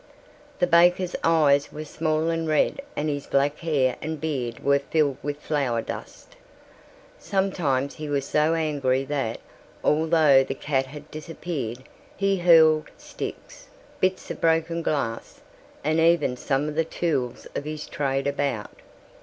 The baker's eyes were small and red and his black hair and beard were filled with flour dust. Sometimes he was so angry that, although the cat had disappeared, he hurled sticks, bits of broken glass, and even some of the tools of his trade about.